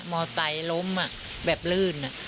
มอไตล้ล้มแบบลื่น